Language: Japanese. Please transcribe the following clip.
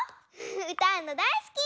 うたうのだいすき！